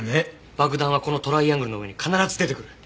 爆弾はこのトライアングルの上に必ず出てくる。